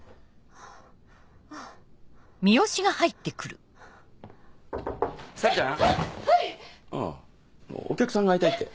あぁお客さんが会いたいって。